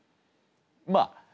まあ